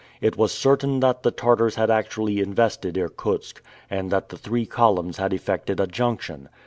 It was certain that the Tartars had actually invested Irkutsk, and that the three columns had effected a junction.